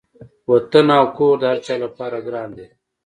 وطن او کور د هر چا لپاره ګران دی.